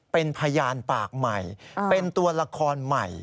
เป็นพยานปากใหม่เป็นตัวละครใหม่